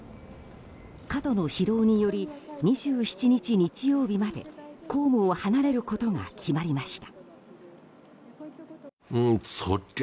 過度の疲労により２７日、日曜日まで公務を離れることが決まりました。